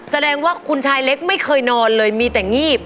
แสดงว่าคุณชายเล็กไม่เคยนอนเลยมีแต่งีบ